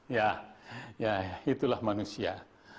ya ya itulah manusia